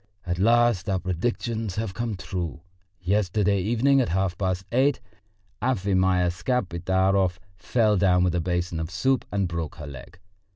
At last our predictions have come true: yesterday evening at half past eight Afimya Skapidarov fell down with a basin of soup and broke her leg.